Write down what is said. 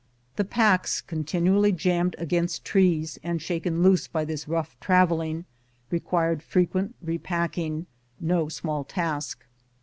The packs, continually jammed against trees and shaken loose by this rough traveling, required frequent repacking — no small task.